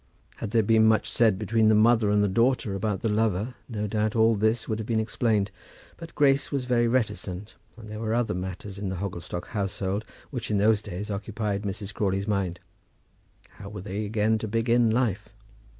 Had there been much said between the mother and the daughter about the lover, no doubt all this would have been explained; but Grace was very reticent, and there were other matters in the Hogglestock household which in those days occupied Mrs. Crawley's mind. How were they again to begin life?